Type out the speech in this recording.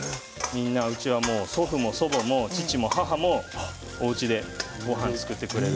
うちは、みんな祖父も祖母も父も母もおうちでごはんを作ってくれて。